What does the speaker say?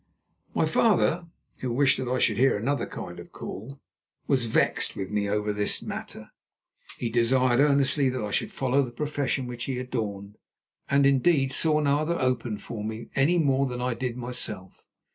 My father, who wished that I should hear another kind of call, was vexed with me over this matter. He desired earnestly that I should follow the profession which he adorned, and indeed saw no other open for me any more than I did myself.